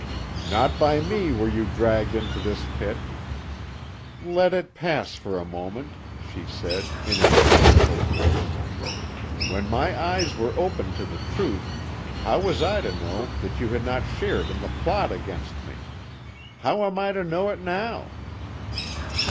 "'Not by me were you dragged into this pit.' "'Let it pass for a moment,' she said, in a disdainful voice. 'When my eyes were opened to the truth, how was I to know that you had not shared in the plot against me? How am I to know it now?'